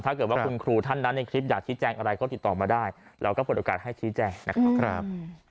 ถ้าเกิดว่าคุณครูท่านนั้นในคลิปอยากชี้แจงอะไรก็ติดต่อมาได้เราก็เปิดโอกาสให้ชี้แจงนะครับ